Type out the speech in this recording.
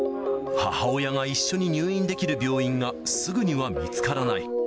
母親が一緒に入院できる病院がすぐには見つからない。